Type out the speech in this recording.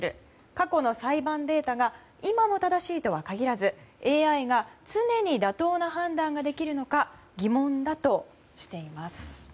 過去の裁判データが今も正しいとは限らずＡＩが常に妥当な判断ができるのか疑問だとしています。